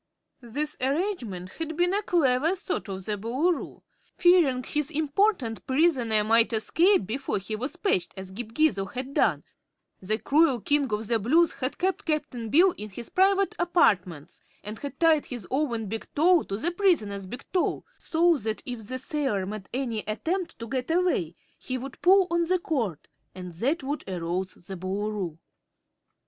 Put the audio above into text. This arrangement had been a clever thought of the Boolooroo. Fearing his important prisoner might escape before he was patched, as Ghip Ghisizzle had done, the cruel King of the Blues had kept Cap'n Bill in his private apartments and had tied his own big toe to the prisoner's big toe, so that if the sailor made any attempt to get away he would pull on the cord, and that would arouse the Boolooroo.